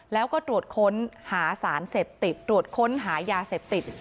แล้วก็ตรวจค้นหาสารเสพติดตรวจค้นหายาเสพติด